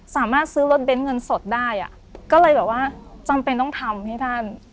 สามารถซื้อรถเน้นเงินสดได้อ่ะก็เลยแบบว่าจำเป็นต้องทำให้ท่าน